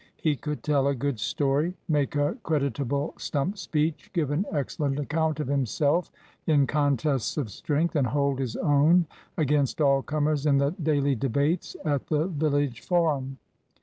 He could tell a good story, make a creditable stump speech, give an excel lent account of himself in contests of strength, and hold his own against all comers in the daily debates at the village forum.